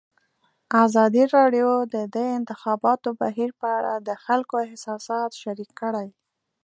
ازادي راډیو د د انتخاباتو بهیر په اړه د خلکو احساسات شریک کړي.